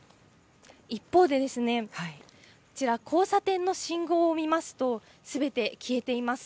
一方で、交差点の信号を見ますと全て消えています。